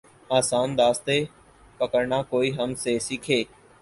آسان راستے پکڑنا کوئی ہم سے سیکھے۔